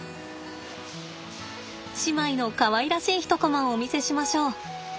姉妹のかわいらしい一コマをお見せしましょう。